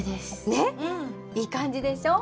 ねっいい感じでしょう？